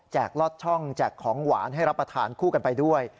ลอดช่องแจกของหวานให้รับประทานคู่กันไปด้วย